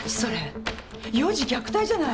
幼児虐待じゃない！